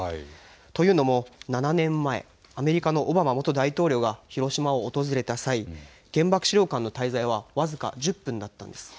というのも７年前、アメリカのオバマ元大統領が広島を訪れた際、原爆資料館の滞在は僅か１０分だったんです。